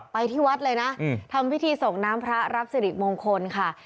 ไปที่วัดเลยนะทำพิธีส่งน้ำพระรับสิริมงคลค่ะ